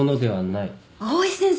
藍井先生！